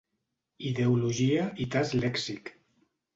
Ideologia i tast lèxic.